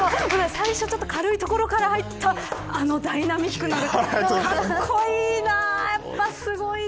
最初ちょっと軽いところから入ってあのダイナミックなところかっこいいな。